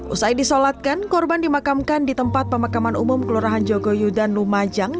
usai disolatkan korban dimakamkan di tempat pemakaman umum kelurahan jogoyudan lumajang